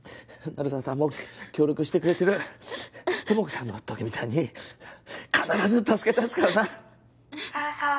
鳴沢さんも協力してくれてる友果ちゃんの時みたいに必ず助けだすからな鳴沢さん